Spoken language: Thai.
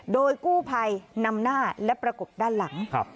โดยกู้ภัยนำหน้าและประกบด้านหลัง